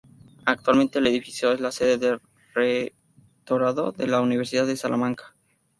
Actualmente el edificio es la sede del Rectorado de la Universidad de Salamanca.